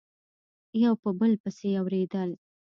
یو په بل پسي اوریدل